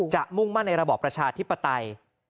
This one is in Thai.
มุ่งมั่นในระบอบประชาธิปไตย